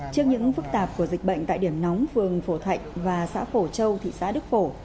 trước những phức tạp của dịch bệnh tại điểm nóng phường phổ thạnh và xã phổ châu thị xã đức phổ